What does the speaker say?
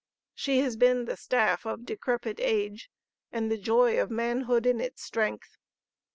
She has been the staff of decrepit age and the joy of manhood in its strength.